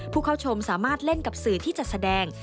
ผู้เข้าชมสามารถเล่นกับสื่อที่จัดแสดง